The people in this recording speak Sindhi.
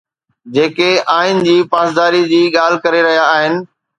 جيڪي آئين جي پاسداري جي ڳالهه ڪري رهيا آهن